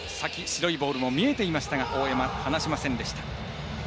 白いボールも見えていましたが大山、離しませんでした。